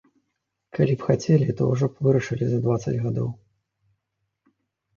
Калі б хацелі, то ўжо б вырашылі за дваццаць гадоў.